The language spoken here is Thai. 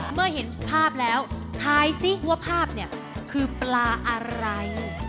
เมื่อเห็นภาพแล้วทายสิว่าภาพเนี่ยคือปลาอะไร